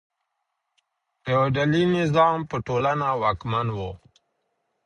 فیوډالي نظام په ټولنه واکمن و.